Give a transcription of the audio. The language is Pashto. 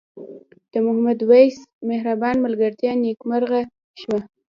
د محمد وېس مهربان ملګرتیا نیکمرغه شوه.